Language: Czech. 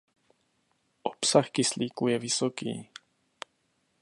Obsah kyslíku je vysoký.